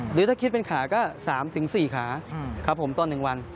หรือถ้าคิดเป็นขาก็๓๔ขาตอนหนึ่งวัน